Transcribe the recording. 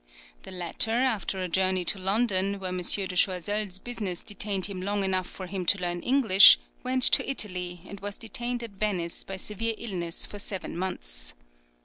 The latter, after a journey to London, where M. de Choiseul's business detained him long enough for him to learn English, went to Italy, and was detained at Venice by severe illness for seven months.